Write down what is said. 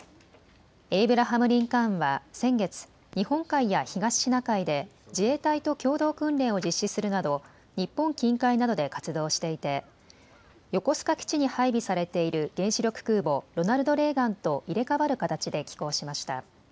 エイブラハム・リンカーンは先月、日本海や東シナ海で自衛隊と共同訓練を実施するなど日本近海などで活動していて横須賀基地に配備されている原子力空母、ロナルド・レーガンと入れ代わる形で寄港しました。